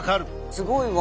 すごいわ。